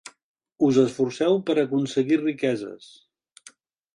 Us esforceu per aconseguir riqueses.